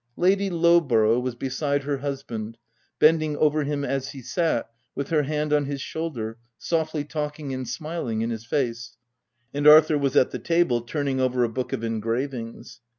Lady Lowborough was beside her husband, bending over him as he sat, w r ith her hand on his shoulder, softly talking and smiling in his face ; and Arthur was at the table turning over a book of engravings.